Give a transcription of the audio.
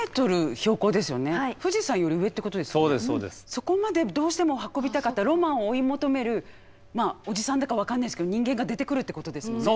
そこまでどうしても運びたかったロマンを追い求めるおじさんだか分かんないですけど人間が出てくるってことですもんね。